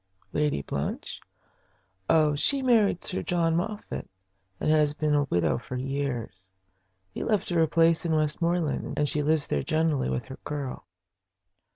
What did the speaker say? "Lady Blanche? Oh, she married Sir John Moffatt, and has been a widow for years. He left her a place in Westmoreland, and she lives there generally with her girl."